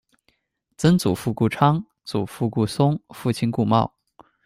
曾祖父顾昌；祖父顾嵩；父亲顾懋。